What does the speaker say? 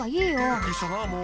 びっくりしたなもう。